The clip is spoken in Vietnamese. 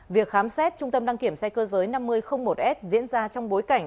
việc khám xét trung tâm đăng kiểm xe cơ giới năm nghìn một s diễn ra trong bối cảnh